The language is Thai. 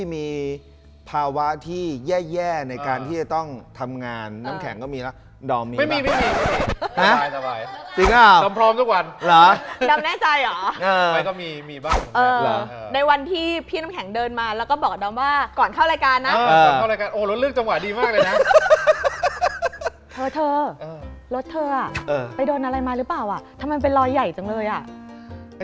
มีอะไรมาหรือเปล่าอะทำไมมันเป็นรอยใหญ่จังเลยอะ